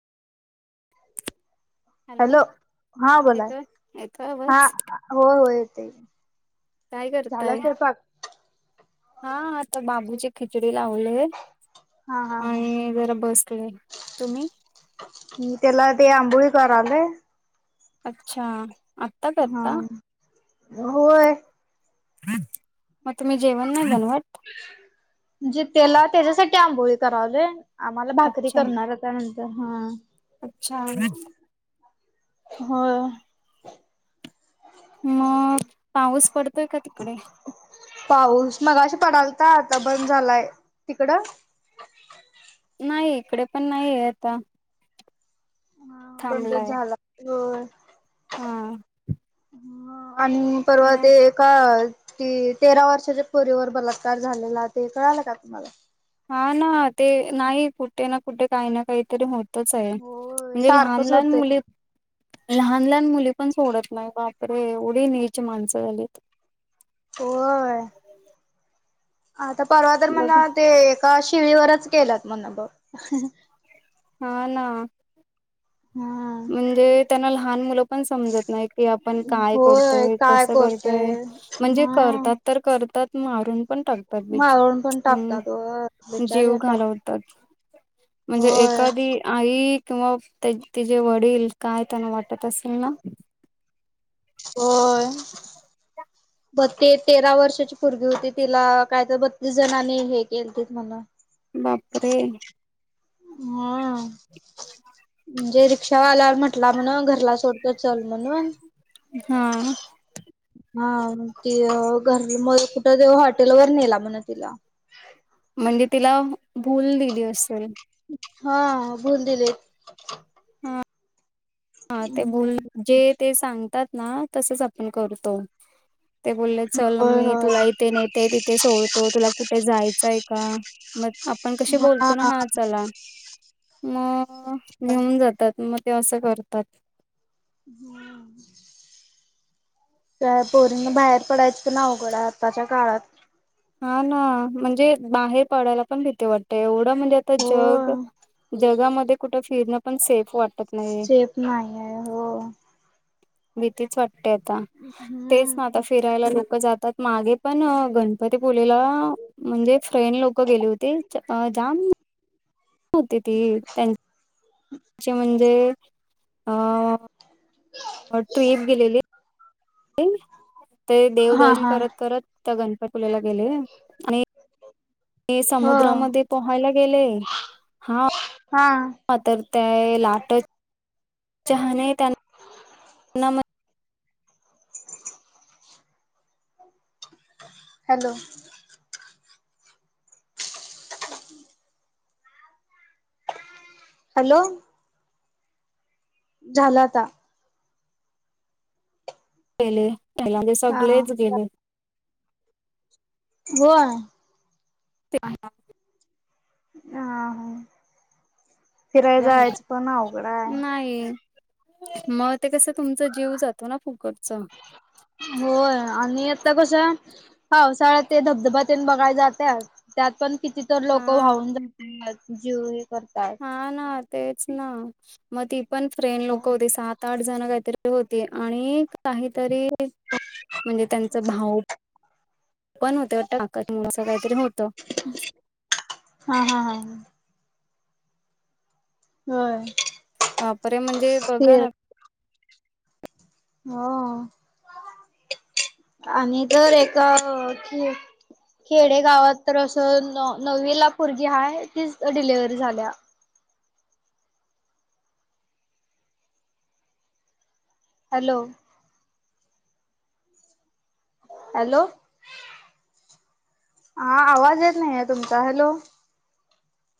Hello हा बोलाय येतोय येतोय हा आवाज हो हो येते. काय झाला स्वयंपाक? हाता बाबूची खिचडी लावले. हा हा हा आणि जरा बसले. तुम्ही? क त्याला ते आंबोळी करालय. अच्छा आता हा करता. होय म त मी जेवण नाही बनवत? म्हणजे त्याला त्याच्यासाठी आंबोळी करावले आम्हाला भाकरी अच्छा करणार. त्यानंतर हा. अच्छा. [inaudible] होय. मग पाऊस पडतोय का तिकडे? पाऊस मग अश पडालता आता बंद झालाय, तिकडं? नाही इकडे पण नाहीय आता. हा बंदच थांबलाय झाला होय. हा. आणि परवा मग ते का की तेरा वर्षाच्या पोरीवर बलात्कार झालेला ते कळालं का तुम्हाला? हा ना ते नाही कुठे ना कुठे काही ना काही तरी होत आहे होय म्हणजे लहान सारखंच लहान होतंय मुली लहान लहान मुली पण सोडत नाही बापरे एवढी नेची माणसं झालीत. होय. आता परवा तर मला बघा ते एका शिळीवरच केलंत म्हण बघ. हा ना. हा म्हणजे त्यांना लहान मुलं पण समजत नाही की आपण काय होय करतोय काय कसं करतोय. म्हणजे हा. करतात तर करतात मारून पण टाक पी मारून पण टाकतात व हम्म जीव बिचारे पाप घालवत म्हणजे होय एखादी आई किंवा ते तिचेे वडील काय त्यांना वाटत असेल ना? होय. ह. ब ते तेरा वर्षाची पोरगी होती तिला काय तर बत्तीस जणनी हे केलं ते म्हन. बापरे. हम. म्हणजे रिक्षावाला म्हटला म्हण घरला सोडतो चल म्हणून. हा. हा ति घर मग कुठं तेव्हा हॉटेल वर नेला म्हणा तिला. म्हणजे तिला भूल दिली असेल? हा भुोल दिले. हा ते बोल दिलेत. जे ते सांगतात ना तसच आपण करतो. ते बोलले चल होय मी होय तुला इथे नेते, तिथे सोडतो, तुला कुठे जायचंय का? मग आपण कशी बोलतो ना हा चला. मग घेऊन जातात मग ते असं करतात. हम्म. बोरींग बाहेर पडायचं ना अवघड आताच्या काळात. हा ना म्हणजे बाहेर पडायला पण भीतीे वाट एवढं म्हणजे आता जग हो जगामध्ये कुठ फिरणं पण सेफ वाटत नाही. देत नाही आहे हो. भीतीच वाटते आता तेच ना हम्म आता फिरायला लोक जातात मागे पण गणपतीपुलेला म्हणजे फ्रेंन लोक गेले होते जाम होते ती त्यां [inaudible] चे म्हणजे अ [inaudible] ट्रीप गेलेली ते हा देवदर्शन हा करत करत त्या गणपतपुलेला गेले आणि ते हो समुद्रामध्ये पोहायला गेले हा. हा! हा तर त्या लाटच चहा ने त्यां हम [unintelligible] हॅलो! हॅलो! झाल आता. पेले पला ले हा सगळेच गेले. गोवा. ते [unintelligible] हा हा फिराया जायाच पण अवघड आहे. नाही म ते कसं तुमचा जीव जातो ना फुकटच. होय आणि आता कस्या पावसाळाया ते धबधब्यान ते बघाय जात्या त्यात पण किती तर लोक हा वाहावून जातात जीव हे करतात. ह ना तेच ना मग ती पण फ्रेंड लोक होती सात. आठ जण काहीतरी होती, आणि काहीतरी म्हणजे त्यांचा भाऊ पण होत वाटतं काकाच मूल असं काहीतरी होतं हा हा हा! होय! वापरे म्हणजे बघा न हो आणि तर एक कि खेडे गावात तर असं न नववी ला पोरगी हाय तीच डिलिवरी झाल्या. हलो! हॅलो हा आवाज येत नाही आहे तुमचा हॅलो.